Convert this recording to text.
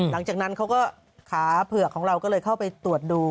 หลังจากนั้นเขาก็ขาเผือกของเราก็เลยเข้าไปตรวจดู